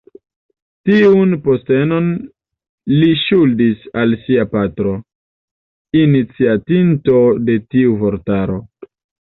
Tiun postenon li ŝuldis al sia patro, iniciatinto de tiu vortaro.